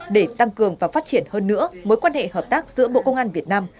để tăng cường và phát triển hơn nữa mối quan hệ hợp tác giữa bộ công an việt nam